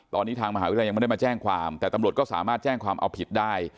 ตอนนี้ทางมหาวิทยาลัยยังไม่ได้มาแจ้งความแต่ตำรวจก็สามารถแจ้งความเอาผิดได้